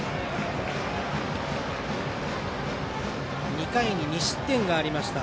２回に２失点がありました。